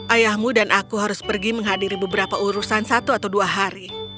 ayahmu dan aku harus pergi menghadiri beberapa urusan satu atau dua hari